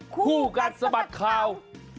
คู่กัดสะบัดข่าว